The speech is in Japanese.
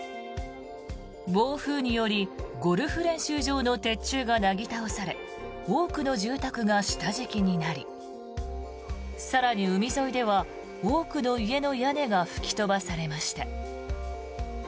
暴風によりゴルフ練習場の鉄柱がなぎ倒され多くの住宅が下敷きになり更に、海沿いでは多くの家の屋根が吹き飛ばされました。